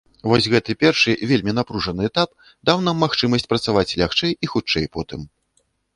Вось гэты першы, вельмі напружаны этап даў нам магчымасць працаваць лягчэй і хутчэй потым.